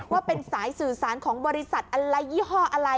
ว่าเป็นสายสื่อสารของบริษัทอะไรยี่ห้ออะไร